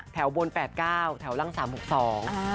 แถวบน๘๙แถวล่าง๓๖๒